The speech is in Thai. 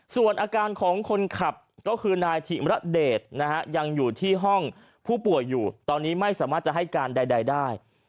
ส่วนอาการของคนขับก็คือนายถิมระเดชนะฮะยังอยู่ที่ห้องผู้ป่วยอยู่ตอนนี้ไม่สามารถจะให้การใดได้